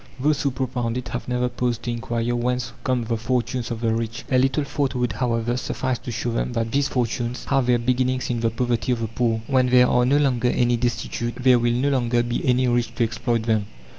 Those who propound it have never paused to inquire whence come the fortunes of the rich. A little thought would, however, suffice to show them that these fortunes have their beginnings in the poverty of the poor. When there are no longer any destitute, there will no longer be any rich to exploit them.